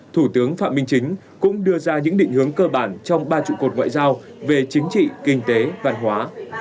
thủ tướng phạm minh chính cũng đưa ra những định hướng cơ bản trong ba trụ cột ngoại giao về chính trị kinh tế văn hóa